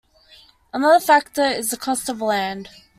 Another factor is the cost of land.